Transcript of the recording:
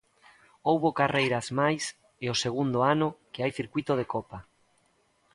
Houbo carreiras mais é o segundo ano que hai circuíto de copa.